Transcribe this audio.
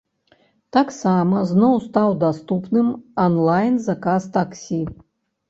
Таксама зноў стаў даступным анлайн-заказ таксі.